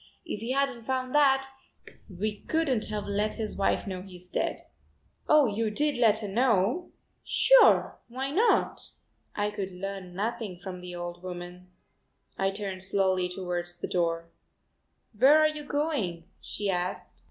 If we hadn't found that, we couldn't have let his wife know he's dead." "Oh, you did let her know?" "Sure, why not?" I could learn nothing from the old woman. I turned slowly towards the door. "Where are you going?" she asked.